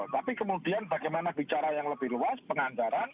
tapi kemudian bagaimana bicara yang lebih luas penganggaran